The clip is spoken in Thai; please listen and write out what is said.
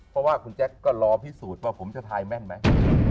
เพราะว่าคุณแจ๊คก็รอพิสูจน์ว่าผมจะทายแม่นไหม